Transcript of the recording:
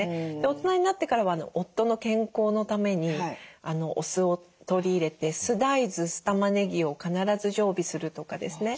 大人になってからは夫の健康のためにお酢を取り入れて酢大豆酢たまねぎを必ず常備するとかですね。